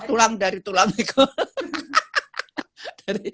tulang dari tulang ekor